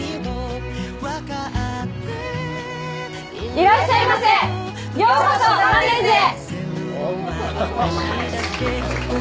いらっしゃいませようこそサンデイズへ！